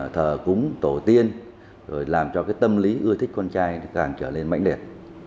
thờ cúng tổ tiên làm cho tâm lý ưa thích con trai càng trở lên mạnh đẹp